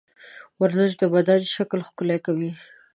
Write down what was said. ورزش د بدن شکل ښکلی کوي.